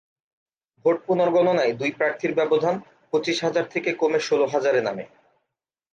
Vote পুনর্গণনায় দুই প্রার্থীর ব্যবধান পঁচিশ হাজার থেকে কমে ষোল হাজারে নামে।